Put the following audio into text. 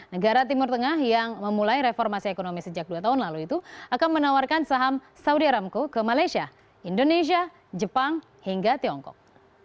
negara timur tengah yang memulai reformasi ekonomi sejak dua tahun lalu itu akan menawarkan saham saudi aramco ke malaysia indonesia jepang hingga tiongkok